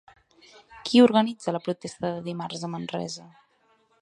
Qui organitza la protesta de dimarts a Manresa?